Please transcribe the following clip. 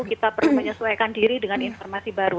kita perlu menyesuaikan diri dengan informasi baru